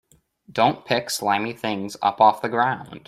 Don't pick slimy things up off the ground.